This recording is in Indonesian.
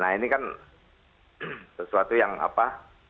nah ini kan sesuatu yang apa